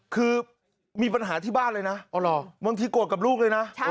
คือมีปัญหาที่บ้านเลยนะบางทีโกรธกับลูกเลยนะ